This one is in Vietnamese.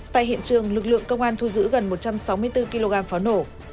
tại hiện trường lực lượng công an thu giữ gần một trăm sáu mươi bốn kg pháo nổ